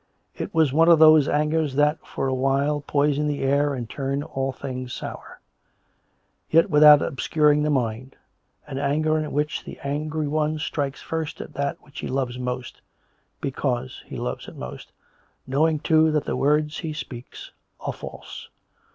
It was one of those angers that for a while poison the air and turn all things sour; yet without obscuring the mind — an anger in which the angry one strikes first at that which he loves most, because he loves it most, knowing, too, that the words he speaks are false.